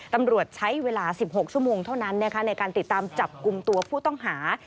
ตำรวจใช้เวลา๑๖ชั่วโมงเท่านั้นในการติดตามจับกลุ่มตัวผู้ต้องหา